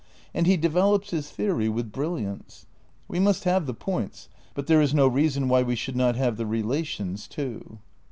And he de velops his theory with brilliance. We must have the points ; but there is no reason why we should not have the relations too.